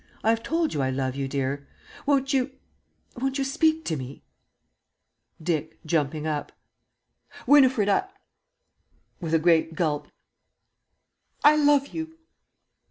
I have told you I love you, dear. Won't you won't you speak to me? Dick (jumping up). Winifred, I (with a great gulp) I LOVE YOU!!!